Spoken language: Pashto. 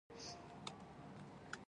د مخ د پړسوب لپاره د څه شي ټوټې وکاروم؟